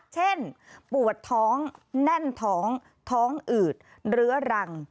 เช่นปวดท้องแน่นท้องท้องอืดเรื้อรัง